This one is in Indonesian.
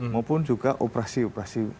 maupun juga operasi operasi